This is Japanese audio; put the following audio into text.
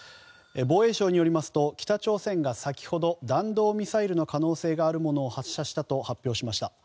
防衛省によりますと北朝鮮が先ほど弾道ミサイルの可能性があるものを発射したと発表しました。